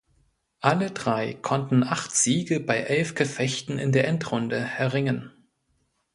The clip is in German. Alle drei konnten acht Siege bei elf Gefechten in der Endrunde erringen.